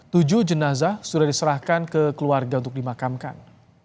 tujuh jenazah sudah diserahkan ke keluarga untuk dimakamkan